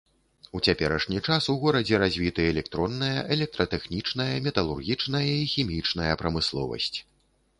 У цяперашні час у горадзе развіты электронная, электратэхнічная, металургічная і хімічная прамысловасць.